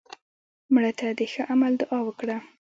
مړه ته د ښه عمل دعا وکړه